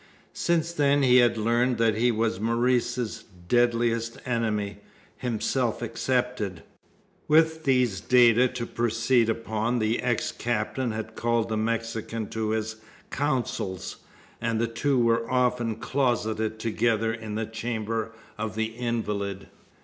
Since then he had learnt that he was Maurice's deadliest enemy himself excepted. With these data to proceed upon the ex captain had called the Mexican to his counsels, and the two were often closeted together in the chamber of the invalid.